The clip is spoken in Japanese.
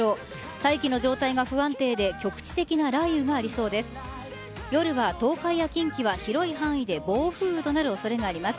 大気の状態が不安定で局地的な雷雨がありそうです。